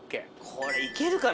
これいけるかな？